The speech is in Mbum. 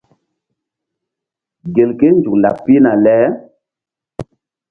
Gelke nzuk laɓ pihna le.